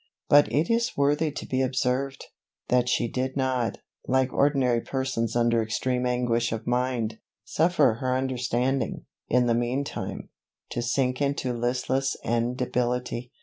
But it is worthy to be observed, that she did not, like ordinary persons under extreme anguish of mind, suffer her understanding, in the mean time, to sink into listlessness and debility.